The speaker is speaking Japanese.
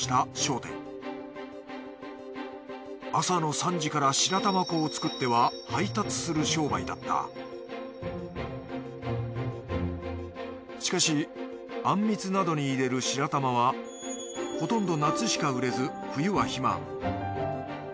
朝の３時から白玉粉を作っては配達する商売だったしかしあんみつなどに入れる白玉はほとんど夏しか売れず冬は暇。